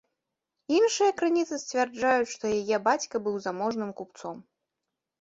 Іншыя крыніцы сцвярджаюць, што яе бацька быў заможным купцом.